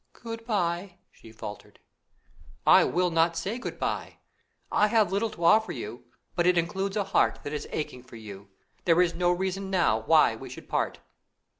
"Good bye!" she faltered. "I will not say 'good bye'! I have little to offer you, but it includes a heart that is aching for you. There is no reason now why we should part."